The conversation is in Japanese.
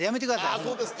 ああそうですか。